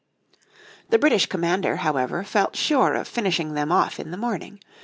The British commander, however, felt sure of finishing them off in the morning.